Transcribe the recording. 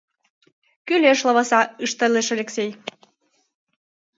— Кӱлеш, лаваса, — ышталеш Элексей.